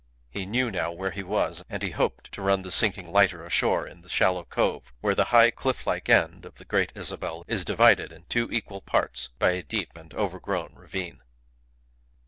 He knew now where he was, and he hoped to run the sinking lighter ashore in the shallow cove where the high, cliff like end of the Great Isabel is divided in two equal parts by a deep and overgrown ravine.